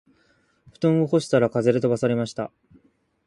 布団を干したら風で飛ばされました